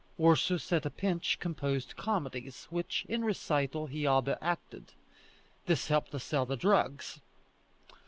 Ursus at a pinch composed comedies, which, in recital, he all but acted; this helped to sell the drugs.